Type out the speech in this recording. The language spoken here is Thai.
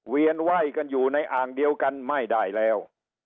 เวียนไหว้กันอยู่ในอ่างเดียวกันไม่ได้แล้ว